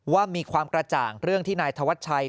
ว่ามีความกระจ่างเรื่องที่นายธวัชชัย